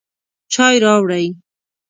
چای راوړئ